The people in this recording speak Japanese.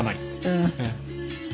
うん。